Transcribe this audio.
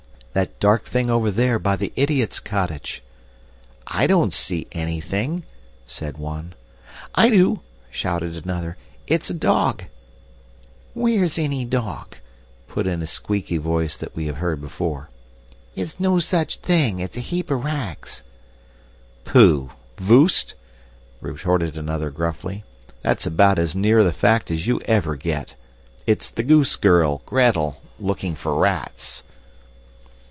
That dark thing over there by the idiot's cottage." "I don't see anything," said one. "I do," shouted another. "It's a dog." "Where's any dog?" put in a squeaky voice that we have heard before. "It's no such thing it's a heap of rags." "Pooh! Voost," retorted another gruffly, "that's about as near the fact as you ever get. It's the goose girl, Gretel, looking for rats."